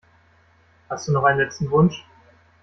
Hast du noch einen letzten Wunsch?